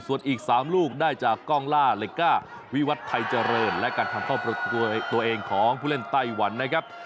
ส่วนอีก๓ลูกได้จากกล้องล่าเล็กก้าวิวัตรไทยเจริญและการทำครอบครัวตัวเองของผู้เล่นไต้หวันนะครับ